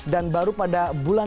dan baru pada bulan